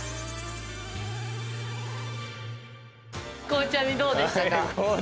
光ちゃみどうでしたか？